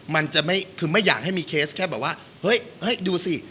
มันจะไม่คือไม่อยากให้มีเคสแค่แบบว่าเฮ้ยดูสิ